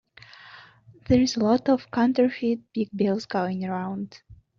There's a lot of counterfeit big bills going around.